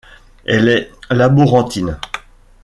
Elle est laborantine.